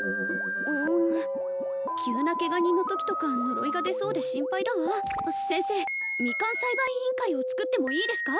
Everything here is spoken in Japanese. ううん急なケガ人のときとか呪いが出そうで心配だわ先生ミカン栽培委員会を作ってもいいですか？